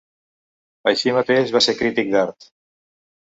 Així mateix va ser crític d'art.